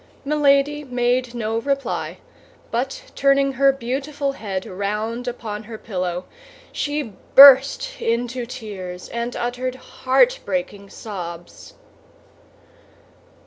Milady made no reply, but turning her beautiful head round upon her pillow, she burst into tears, and uttered heartbreaking sobs.